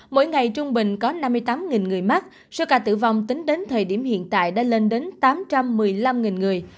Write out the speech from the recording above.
mỗi ngày trung bình có năm mươi tám người mắc số ca tử vong tính đến thời điểm hiện tại đã lên đến tám trăm một mươi năm người